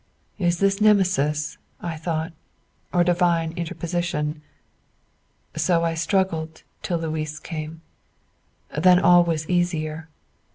'Is this Nemesis,' I thought, 'or divine interposition?' So I struggled till Louis came. Then all was easier.